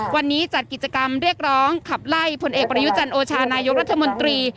วันนี้จัดกิจกรรมเรียกร้องขับไล่ผลเอกประยุจันโอชานายกรัฐมนตรี